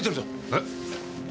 えっ？